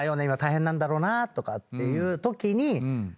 今大変なんだろうなとかっていうときに。